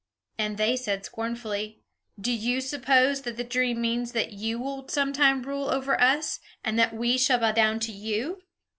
And they said scornfully, "Do you suppose that the dream means that you will some time rule over us, and that we shall bow down to you?"